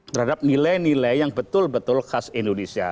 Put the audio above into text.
terhadap nilai nilai yang betul betul khas indonesia